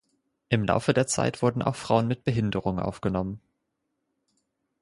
Im Laufe der Zeit wurden auch Frauen mit Behinderung aufgenommen.